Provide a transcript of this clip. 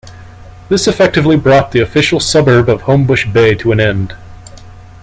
This effectively brought the official suburb of Homebush Bay to an end.